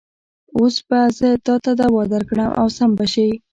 اوس به زه تاته دوا درکړم او سم به شې.